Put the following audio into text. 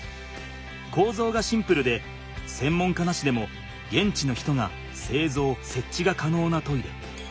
こうぞうがシンプルで専門家なしでも現地の人がせいぞうせっちがかのうなトイレ。